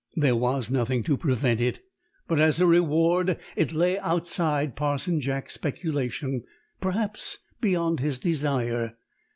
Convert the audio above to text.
There was nothing to prevent it; but as a reward it lay outside Parson Jack's speculation, perhaps beyond his desire.